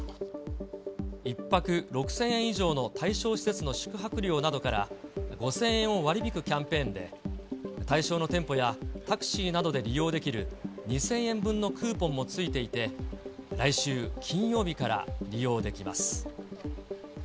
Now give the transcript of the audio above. １泊６０００円以上の対象施設の宿泊料などから、５０００円を割り引くキャンペーンで、対象の店舗や、タクシーなどで利用できる、２０００円分のクーポンも付いていて、来週金曜日から利用できます。